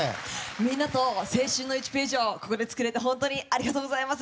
みんなと青春の１ページをここで作れて本当にありがとうございます。